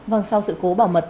vâng sau sự cố bảo mật